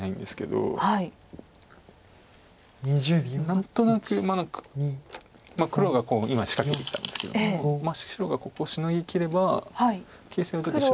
何となく黒が今仕掛けてきたんですけども白がここをシノぎきれば形勢はちょっと。